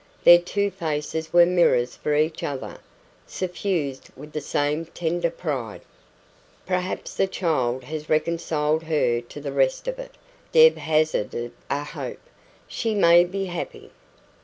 Their two faces were mirrors for each other, suffused with the same tender pride. "Perhaps the child has reconciled her to the rest of it," Deb hazarded a hope. "She may be happy."